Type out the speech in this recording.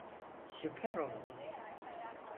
Süper oldu.